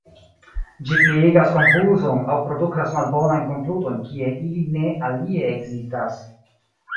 Ĝi pliigas konfuzon aŭ produktas malbonajn konkludojn kie ili ne alie ekzistas.